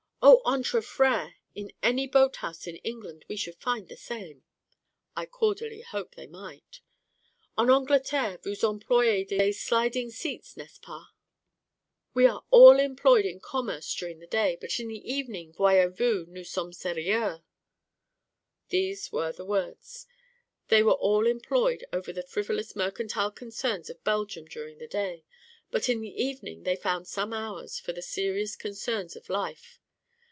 'O! entre frères! In any boat house in England we should find the same.' (I cordially hope they might.) 'En Angleterre, vous employez des sliding seats, n'est ce pas?' 'We are all employed in commerce during the day; but in the evening, voyez vous, nous sommes sérieux.' These were the words. They were all employed over the frivolous mercantile concerns of Belgium during the day; but in the evening they found some hours for the serious concerns of life.